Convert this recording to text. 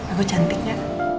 aku cantik ya